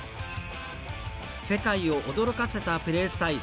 世界を驚かせたプレースタイル。